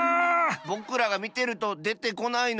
ぼくらがみてるとでてこないのかなあ。